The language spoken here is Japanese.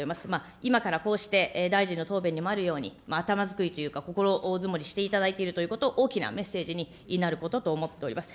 今からこうして大臣の答弁にもあるように頭作りというか、心づもりしていただいているということ、大きなメッセージになることと思っております。